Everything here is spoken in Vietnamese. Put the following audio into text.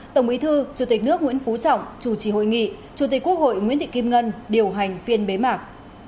tổng bí thư chủ tịch nước nguyễn phú trọng chủ trì hội nghị chủ tịch quốc hội nguyễn thị kim ngân điều hành phiên bế mạc